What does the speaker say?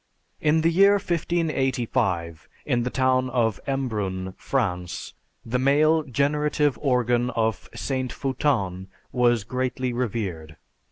"In the year 1585, in the town of Embrun, France, the male generative organ of St. Foutin was greatly revered.